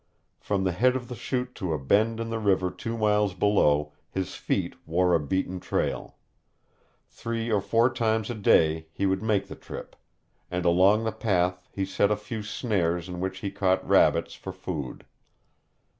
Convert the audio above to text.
From the head of the Chute to a bend in the river two miles below, his feet wore a beaten trail. Three or four times a day he would make the trip, and along the path he set a few snares in which he caught rabbits for food.